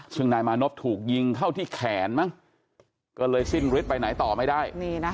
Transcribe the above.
ซึ่งนายมานพถูกยิงเข้าที่แขนมั้งก็เลยสิ้นฤทธิไปไหนต่อไม่ได้